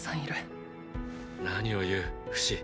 何を言うフシ。